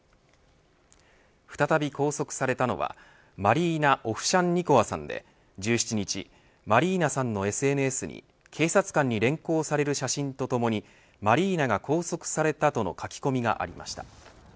再び拘束されたのはマリーナ・オフシャンニコワさんで１７日、マリーナさんのＳＮＳに警察官に連行される写真とともにマリーナが拘束されたとの書き込みがありました。